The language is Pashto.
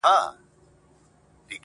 د دې شهید وطن په برخه څه زامن راغلي!